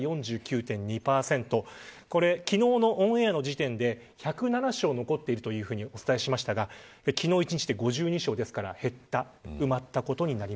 昨日のオンエアの時点で１０７床残っているとお伝えしましたが昨日一日で５２床ですから減りました。